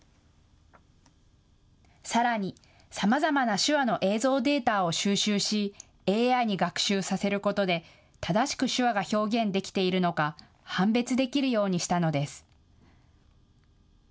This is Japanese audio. さらに、さまざまな手話の映像データを収集し、ＡＩに学習させることで正しく手話が表現できているのか判別できるようにしたのです。